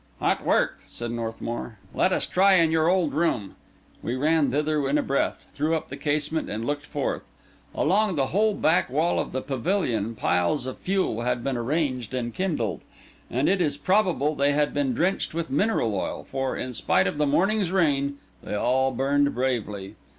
"Hot work," said Northmour. "Let us try in your old room." We ran thither in a breath, threw up the casement, and looked forth. Along the whole back wall of the pavilion piles of fuel had been arranged and kindled; and it is probable they had been drenched with mineral oil, for, in spite of the morning's rain, they all burned bravely.